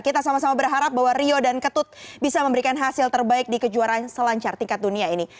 kita sama sama berharap bahwa rio dan ketut bisa memberikan hasil terbaik di kejuaraan selancar tingkat dunia ini